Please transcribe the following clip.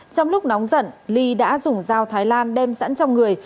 trong lúc nóng giận ly đã dùng dao thái lan đem sẵn trong người